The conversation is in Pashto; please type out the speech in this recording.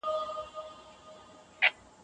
ما دغه کتاب پخوا نه و لوستی.